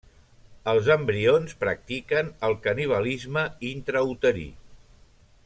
Els embrions practiquen el canibalisme intrauterí.